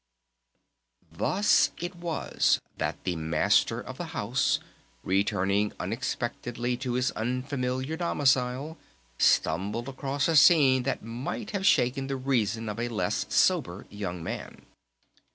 Thus it was that the Master of the House, returning unexpectedly to his unfamiliar domicile, stumbled upon a scene that might have shaken the reason of a less sober young man.